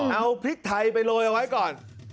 เอาพริกไทยไปโรยเอาไว้ก่อน